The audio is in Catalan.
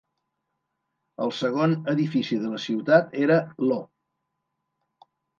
El segon edifici de la ciutat era l'O.